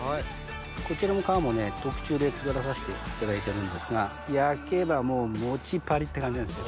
こちらの皮も特注で作らさせていただいてるんですが焼けばモチパリって感じなんですよ。